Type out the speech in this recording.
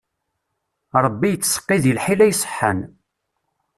Ṛebbi ittseqqi di lḥila iṣeḥḥan.